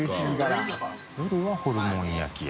戸次）「夜はホルモン焼き屋」